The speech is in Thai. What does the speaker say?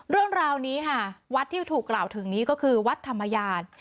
เรื่องราวนี้ค่ะวัดที่ถูกกล่าวถึงนี้ก็คือวัดธรรมยาน